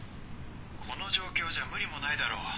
☎この状況じゃ無理もないだろ。